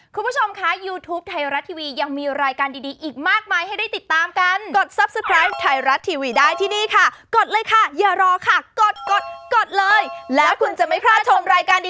ก็ค่อนข้างยุ่งไม่ได้รีบด้วยนั้นครับผม